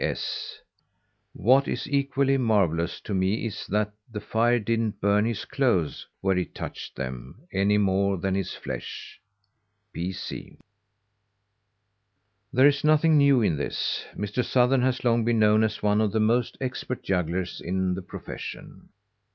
S. What is equally marvellous to me is that the fire didn't burn his clothes where it touched them, any more than his flesh. P. C. (There is nothing new in this. Mr. Sothern has long been known as one of the most expert jugglers in the profession.